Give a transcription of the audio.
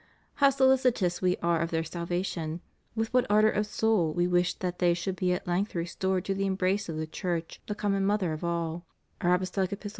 How solicitous We are of their salvation, with what ardor of soul We wish that they should be at length restored to the embrace of the Church, the common mother of all, Our Apostolic Epistle, Ep.